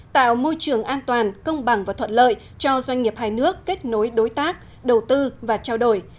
tạo môi trường an toàn công bằng và thuận lợi cho doanh nghiệp hai nước kết nối đối tác đầu tư và trao đổi